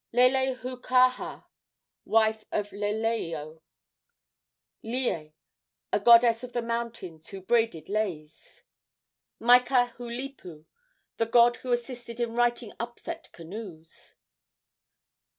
Lelehookaahaa, wife of Leleioio. Lie, a goddess of the mountains, who braided leis. Maikahulipu, the god who assisted in righting upset canoes.